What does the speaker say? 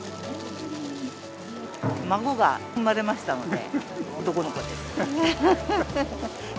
孫が生まれましたので、男の子です。